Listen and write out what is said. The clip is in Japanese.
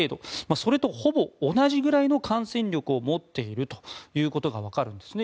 それとほぼ同じぐらいの感染力を持っているということがわかるんですね。